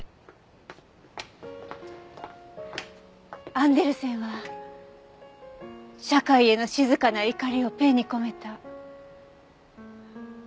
アンデルセンは社会への静かな怒りをペンに込めた。